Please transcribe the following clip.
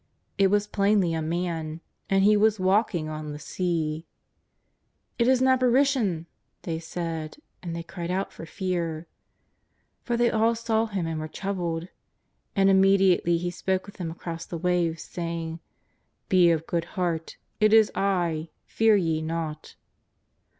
It was plainly a Man and He was walking on the sea. ^' It is an apparition !'' they said, and they cried out for fear. For they all saw Him and were troubled. And immediately H^ spoke with them across the waveS; saying: ^^ Be of good heart; it is I, fear ye not.''